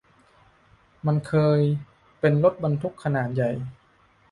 มันเคยเป็นรถบรรทุกขนาดใหญ่